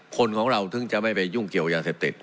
คนของเราถึงจะไม่ไปยุ่งเกี่ยวยาเสพติด